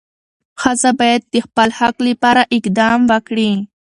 ښځه باید د خپل حق لپاره اقدام وکړي.